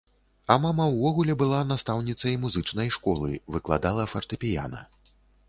А мама ўвогуле была настаўніцай музычнай школы, выкладала фартэпіяна.